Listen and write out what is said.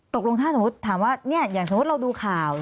ตกลงถ้าสมมุติถามว่าอย่างสมมุติเราดูข่าว